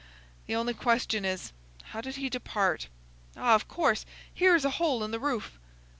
The only question is, how did he depart? Ah, of course, here is a hole in the roof."